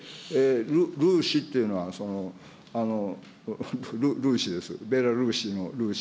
ルーシっていうのは、ルーシです、ベラルーシのルーシ。